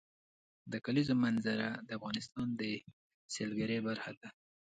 د کلیزو منظره د افغانستان د سیلګرۍ برخه ده.